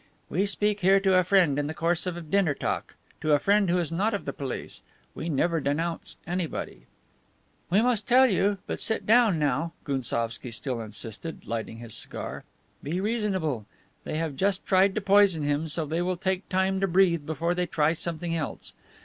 "We speak here to a friend in the course of dinner talk, to a friend who is not of the police. We never denounce anybody." "We must tell you. But sit down now," Gounsovski still insisted, lighting his cigar. "Be reasonable. They have just tried to poison him, so they will take time to breathe before they try something else.